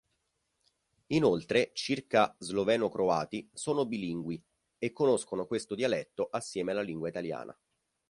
Inoltre circa sloveno-croati sono bilingui e conoscono questo dialetto assieme alla lingua italiana.